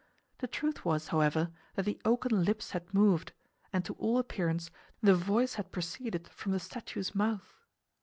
The truth was, however, that the oaken lips had moved, and to all appearance, the voice had proceeded from the statue's mouth.